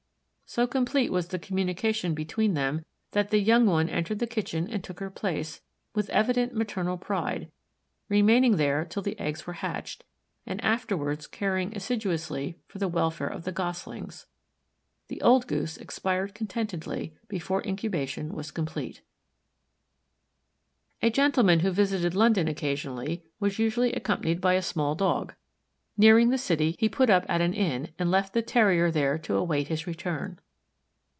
So complete was the communication between them that the young one entered the kitchen and took her place, with evident maternal pride, remaining there till the eggs were hatched and afterwards caring assiduously for the welfare of the Goslings. The old Goose expired contentedly before incubation was complete. A gentleman who visited London occasionally was usually accompanied by a small Dog. Nearing the city, he put up at an inn and left the Terrier there to await his return.